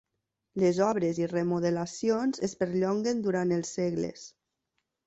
Les obres i remodelacions es perllonguen durant els segles-.